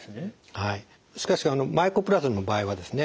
しかしマイコプラズマの場合はですね